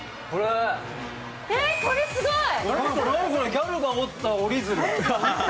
え、これすごい！